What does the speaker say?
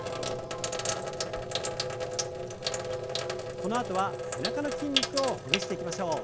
このあとは背中の筋肉をほぐしていきましょう。